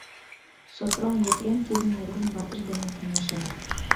Сопром Епрем тидын нерген ватыж дене каҥашен.